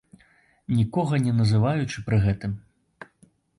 Нікога не называючы пры гэтым.